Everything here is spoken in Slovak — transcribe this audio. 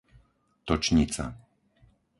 Točnica